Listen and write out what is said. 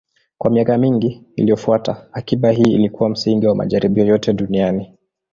Kwa miaka mingi iliyofuata, akiba hii ilikuwa msingi wa majaribio yote duniani.